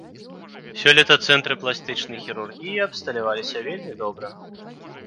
Сёлета цэнтры пластычнай хірургіі абсталяваліся вельмі добра.